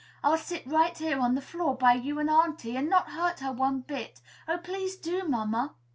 I'll sit right here on the floor, by you and auntie, and not hurt her one bit. Oh, please do, mamma!"